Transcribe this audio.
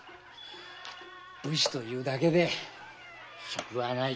武士というだけで職はない金もない。